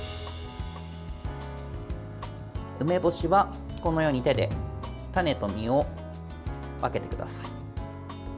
梅干しは、このように手で種と実を分けてください。